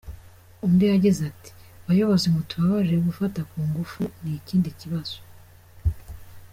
Undi yagize ati " Bayobozi mutubabarire, gufata ku ngufu ni ikindi kibazo.